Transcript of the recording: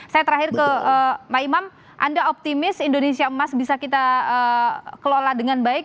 saya terakhir ke pak imam anda optimis indonesia emas bisa kita kelola dengan baik